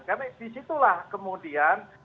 karena disitulah kemudian